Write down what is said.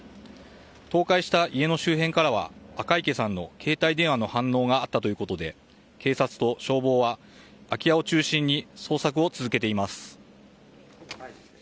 倒壊した家の周辺からは赤池さんの携帯電話の反応があったということで警察と消防は空き家を中心に捜索を続けています。